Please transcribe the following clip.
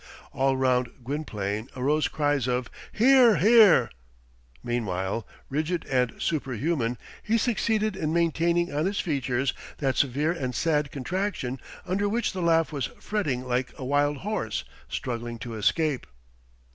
All round Gwynplaine arose cries of "Hear, hear!" Meanwhile, rigid and superhuman, he succeeded in maintaining on his features that severe and sad contraction under which the laugh was fretting like a wild horse struggling to escape.